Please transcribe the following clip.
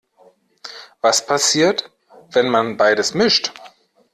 Was passiert, wenn man beides mischt?